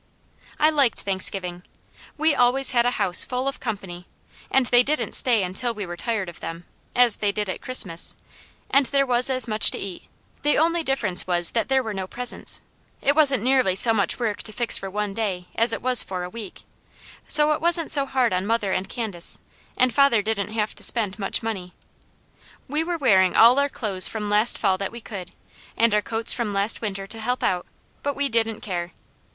I liked Thanksgiving. We always had a house full of company, and they didn't stay until we were tired of them, as they did at Christmas, and there was as much to eat; the only difference was that there were no presents. It wasn't nearly so much work to fix for one day as it was for a week; so it wasn't so hard on mother and Candace, and father didn't have to spend much money. We were wearing all our clothes from last fall that we could, and our coats from last winter to help out, but we didn't care.